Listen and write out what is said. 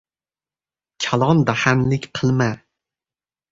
— Kalondahanlik qilma.